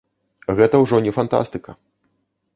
Гэта ўжо не фантастыка.